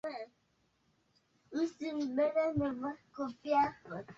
tunatakiwa kujifunza namna ya kuepuka virusi vya ukimwi